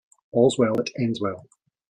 All's well that ends well.